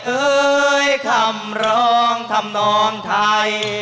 เอ่ยคำร้องทำนองไทย